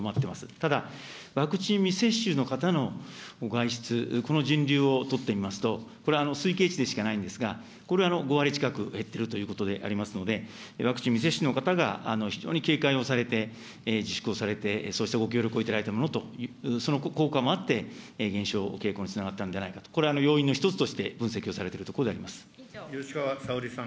ただ、ワクチン未接種の方の外出、この人流を取って見ますと、これは推計値でしかないんですが、これ、５割近く減っているということでありますので、ワクチン未接種の方が非常に警戒をされて、自粛をされて、そうしたご協力をいただいたものと、その効果もあって減少傾向につながったんではないかと、これ、要因の一つとして分析をされているところでありま吉川沙織さん。